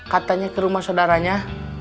katanya ke rumah saudaranya